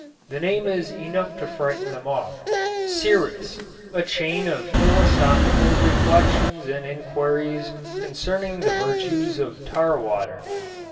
The name is enough to frighten them off: "Siris: A Chain of Philosophical Reflections and Inquiries Concerning the Virtues of Tar Water."